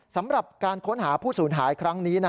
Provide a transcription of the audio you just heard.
สำหรับการค้นหาผู้สูญหายครั้งนี้